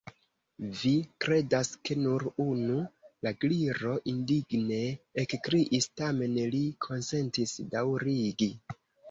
"Vi kredas ke nur unu?" la Gliro indigne ekkriis. Tamen li konsentis daŭrigi.